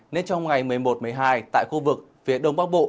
nên trong ngày một mươi một một mươi hai tại khu vực phía đông bắc bộ